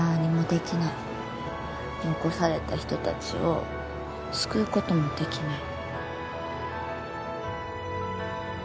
残された人たちを救う事もできない。